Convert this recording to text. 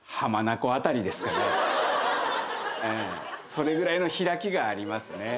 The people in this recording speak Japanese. それぐらいの開きがありますね。